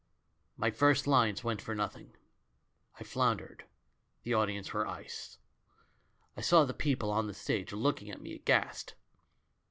"My first fines went for nothing. I floun dered — the audience were ice; I saw the people on the stage looking at me aghast.